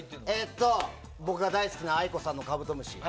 僕が大好きなａｉｋｏさんの「カブトムシ」。